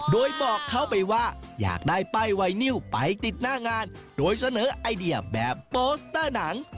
โดยบอกเขาไปว่าอยากได้ป้ายไวนิวไปติดหน้างานโดยเสนอไอเดียแบบโปสเตอร์หนัง